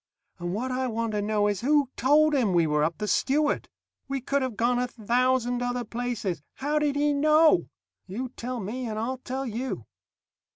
And what I want to know is who told him we were up the Stewart? We could have gone a thousand other places. How did he know? You tell me, and I'll tell you.